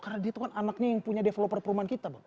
karena dia tuh kan anaknya yang punya developer perumahan kita bang